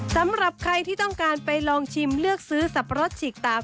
สำหรับใครที่ต้องการไปลองชิมเลือกซื้อสับปะรดฉีกตาก